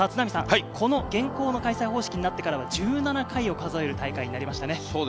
この現行の開催方式になってからは１７回を数える大会になりましたね。